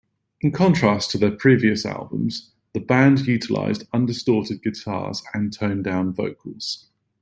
In contrast to their previous albums, the band utilized undistorted guitars and toned-down vocals.